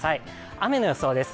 雨の予想です。